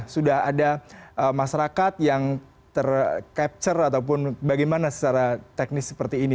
sudah ada masyarakat yang tercapture ataupun bagaimana secara teknis seperti ini